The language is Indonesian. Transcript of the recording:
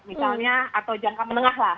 misalnya atau jangka menengah lah